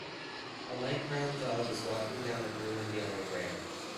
A light brown dog is walking down a blue and yellow ramp.